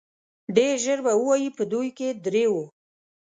ډېر ژر به ووايي په دوی کې درې وو.